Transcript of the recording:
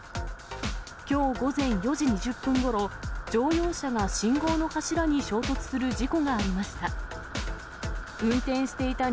きょう午前４時２０分ごろ、乗用車が信号の柱に衝突する事故がありました。